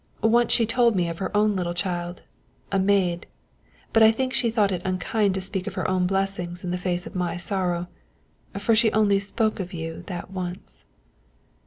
Once she told me of her own little child, a maid but I think she thought it unkind to speak of her own blessings in the face of my sorrow, for she only spoke of you that once."